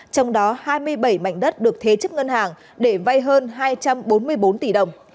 trong đó hai mươi bảy mảnh đất được thế chấp ngân hàng để vay hơn hai trăm bốn mươi bốn tỷ đồng